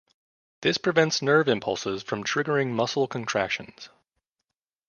This prevents nerve impulses from triggering muscle contractions.